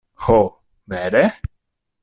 Ho, vere?